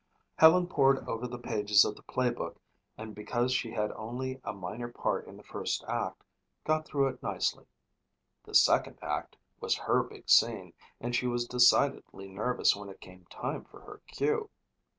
Helen poured over the pages of the play book and because she had only a minor part in the first act, got through it nicely. The second act was her big scene and she was decidedly nervous when it came time for her cue.